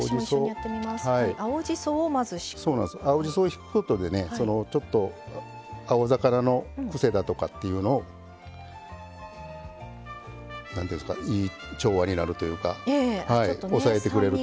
青じそをひくことでねそのちょっと青魚のクセだとかっていうのを何というんですかいい調和になるというか抑えてくれるというか。